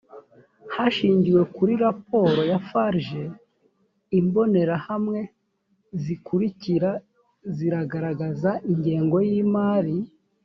hashingiwe kuri raporo ya farg imbonerahamwe zikurikira ziragaragaza ingengo y imari